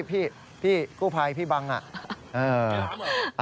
พี่กู้ไพท์พี่บังนะ